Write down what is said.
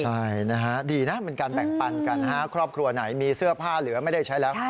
ใช่นะฮะดีนะเป็นการแบ่งปันกันนะฮะครอบครัวไหนมีเสื้อผ้าเหลือไม่ได้ใช้แล้ว